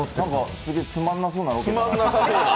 すげぇつまんなさそうなロケだな。